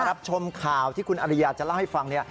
รับชมข่าวที่คุณอริยาจะเล่าให้ฟัง